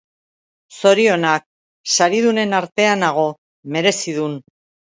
Zorionak, saridunen artean hago! Merezi dun!